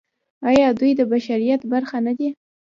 آیا دوی د بشریت برخه نه دي؟